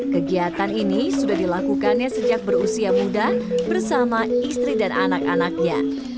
kegiatan ini sudah dilakukannya sejak berusia muda bersama istri dan anak anaknya